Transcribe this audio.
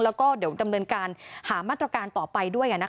แล้วก็เดี๋ยวดำเนินการหามาตรการต่อไปด้วย